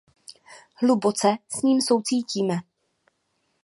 Hluboce s ním soucítíme.